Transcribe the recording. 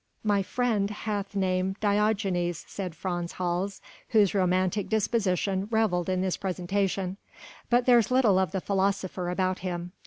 "My friend hath name Diogenes," said Frans Hals, whose romantic disposition revelled in this presentation, "but there's little of the philosopher about him.